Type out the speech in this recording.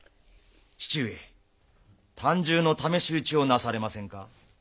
父上短銃の試し撃ちをなされませんか？